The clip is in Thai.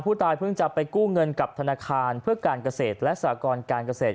ผู้ตายเพิ่งจะไปกู้เงินกับธนาคารเพื่อการเกษตรและสากรการเกษตร